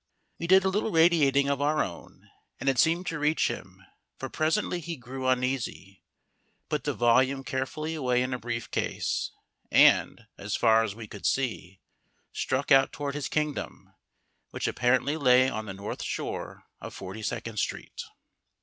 We did a little radiating of our own, and it seemed to reach him, for presently he grew uneasy, put the volume carefully away in a brief case, and (as far as we could see) struck out toward his kingdom, which apparently lay on the north shore of Forty second Street.